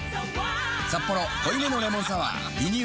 「サッポロ濃いめのレモンサワー」リニューアル